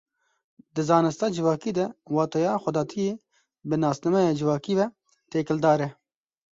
Di zanista civakî de wateya xwedatiyê bi nasnameya civakî ve têkildar e.